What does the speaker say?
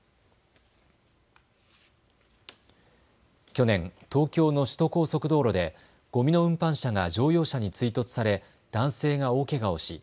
去年、東京の首都高速道路でごみの運搬車が乗用車に追突され男性が大けがをし